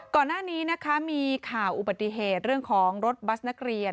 ก่อนหน้านี้นะคะมีข่าวอุบัติเหตุเรื่องของรถบัสนักเรียน